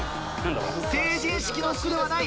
「成人式の服」ではない。